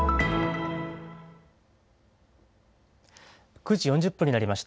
９時４０分になりました。